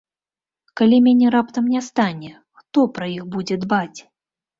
Калі мяне раптам не стане, хто пра іх будзе дбаць?